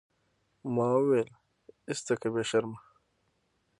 ما وويل ايسته که بې شرمه.